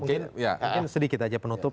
mungkin sedikit aja penutup